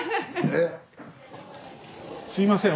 すいません。